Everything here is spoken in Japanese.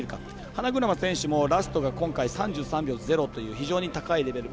花車選手もラストが今回３３秒０という非常に高いレベル。